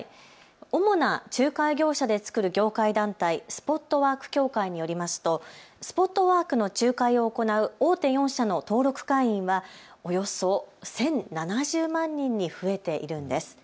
主な仲介業者で作る業界団体、スポットワーク協会によりますとスポットワークの仲介を行う大手４社の登録会員はおよそ１０７０万人に増えているんです。